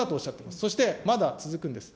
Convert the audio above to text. そしてまだ続くんです。